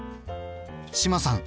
志麻さん